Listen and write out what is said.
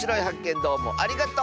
どうもありがとう！